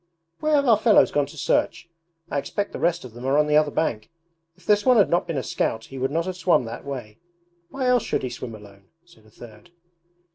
'Where have our fellows gone to search? I expect the rest of them are on the other bank. If this one had not been a scout he would not have swum that way. Why else should he swim alone?' said a third.